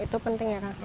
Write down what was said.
itu penting ya kak bet